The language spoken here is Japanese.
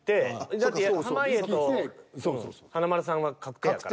だって濱家と華丸さんは確定やから。